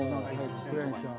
黒柳さん